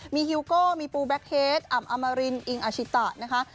มีฮิวโก้มีปูแบ็คเฮดอ่ำอมรินอิงอาชิตะนะคะ